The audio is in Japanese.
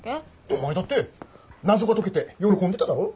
お前だって謎が解けて喜んでただろう。